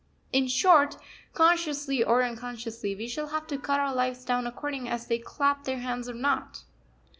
In short, consciously or unconsciously, we shall have to cut our lives down according as they clap their hands or not.